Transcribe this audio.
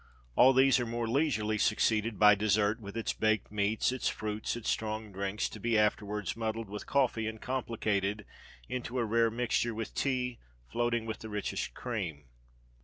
All these are more leisurely succeeded by dessert, with its baked meats, its fruits, and its strong drinks, to be afterwards muddled with coffee, and complicated into a rare mixture with tea, floating with the richest cream."